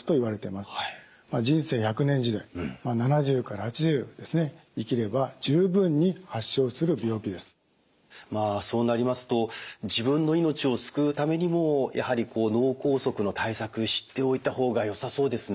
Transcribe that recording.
まあそうなりますと自分の命を救うためにもやはり脳梗塞の対策知っておいた方がよさそうですね。